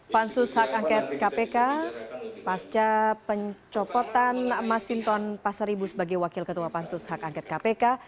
pansus hak angket kpk pasca pencopotan masinton pasaribu sebagai wakil ketua pansus hak angket kpk